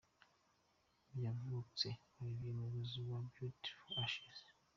Kavutse Olivier umuyobozi wa Beauty for Ashes.